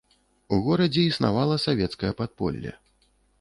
У горадзе існавала савецкае падполле.